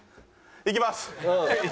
いきます！